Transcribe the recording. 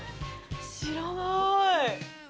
知らなーい。